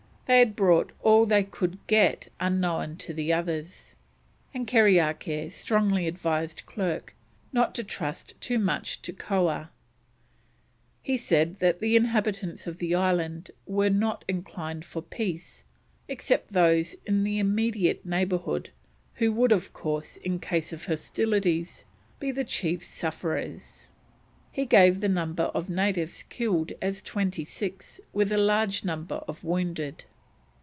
They had brought all they could get unknown to the others, and Kerriakair strongly advised Clerke not to trust too much to Koah; he said that the inhabitants of the island were not inclined for peace except those in the immediate neighbourhood, who would of course, in case of hostilities, be the chief sufferers. He gave the number of natives killed as twenty six, with a large number of wounded.